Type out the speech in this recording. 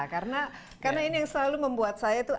karena ini yang selalu membuat saya tuh